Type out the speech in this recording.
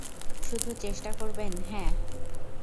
শুধু চেষ্টা করবেন, হ্যাঁ?